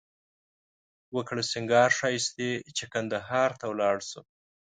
وکړه سینگار ښایښتې چې قندهار ته ولاړ شو